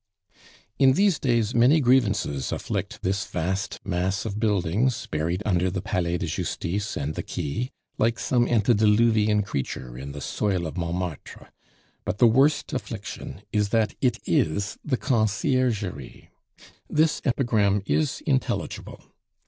In these days many grievances afflict this vast mass of buildings, buried under the Palais de Justice and the quay, like some antediluvian creature in the soil of Montmartre; but the worst affliction is that it is the Conciergerie. This epigram is intelligible.